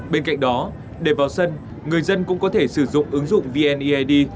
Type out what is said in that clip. bên cạnh đó để vào sân người dân cũng có thể sử dụng ứng dụng vneid